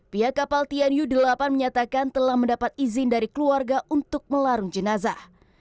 pihak kapal tianyu delapan menyatakan telah mendapat izin dari keluarga untuk melarung jenazah